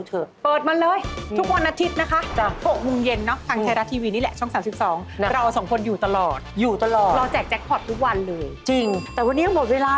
เอาฟันกูขึ้นมา